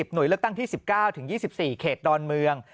หน่วยเลือกตั้งที่๑๙๒๔เขตดอนเมือง